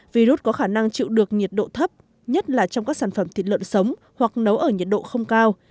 virus có khả năng chịu được nhiệt độ thấp nhất là trong các sản phẩm thịt lợn sống hoặc nấu ở nhiệt độ không cao